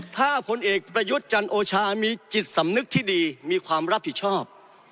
ถ้าพลเอกประยุทธ์จันโอชามีจิตสำนึกที่ดีมีความรับผิดชอบ